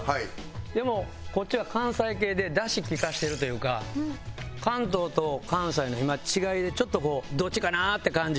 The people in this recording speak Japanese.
でもこっちは関西系でだし利かせてるというか関東と関西の違いでちょっとこうどっちかな？って感じ。